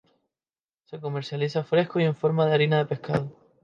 Se comercializa fresco y en forma de harina de pescado.